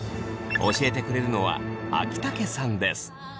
教えてくれるのは秋竹さんです。